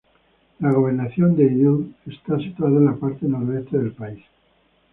La gobernación de Idlib está situada en la parte noroeste del país.